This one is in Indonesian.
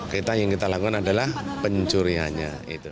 kita yang kita lakukan adalah pencuriannya